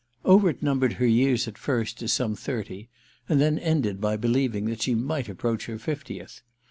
Overt numbered her years at first as some thirty, and then ended by believing that she might approach her fiftieth.